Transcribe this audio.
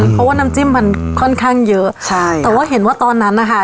เพราะว่าน้ำจิ้มมันค่อนข้างเยอะใช่แต่ว่าเห็นว่าตอนนั้นนะคะ